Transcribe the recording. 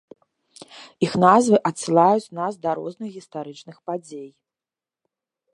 Іх назвы адсылаюць нас да розных гістарычных падзей.